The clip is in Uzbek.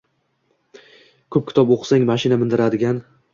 ko‘p kitob o‘qisang, mashina mindiradigan